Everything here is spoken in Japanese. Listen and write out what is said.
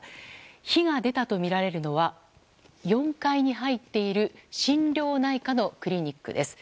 火が出たとみられるのは４階に入っている心療内科のクリニックです。